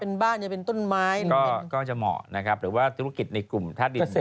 เป็นบ้านจะเป็นต้นไม้ก็จะเหมาะนะครับหรือว่าธุรกิจในกลุ่มธาตุดิน